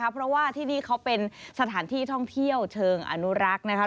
เพราะว่าที่นี่เขาเป็นสถานที่ท่องเที่ยวเชิงอนุรักษ์นะคะ